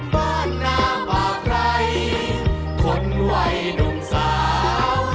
บ้านหน้าป่าไพรคนวัยหนุ่มสาว